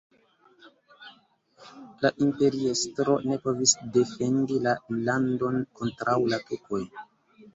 La imperiestro ne povis defendi la landon kontraŭ la turkoj.